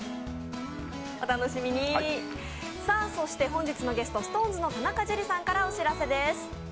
本日のゲスト、ＳｉｘＴＯＮＥＳの田中樹さんからお知らせです。